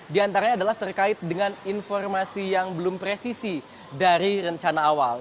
di antaranya adalah terkait dengan informasi yang belum presisi dari rencana awal